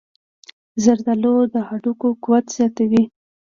زردآلو د هډوکو قوت زیاتوي.